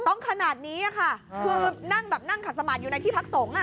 ต้องขนาดนี้ค่ะคือนั่งแบบนั่งขัดสมาธิอยู่ในที่พักสงฆ์อ่ะ